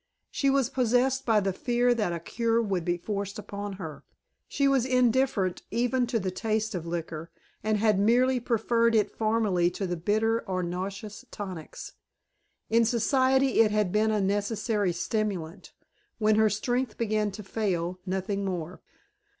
She was possessed by the fear that a cure would be forced upon her; she was indifferent even to the taste of liquor, and had merely preferred it formerly to bitter or nauseous tonics; in Society it had been a necessary stimulant, when her strength began to fail, nothing more.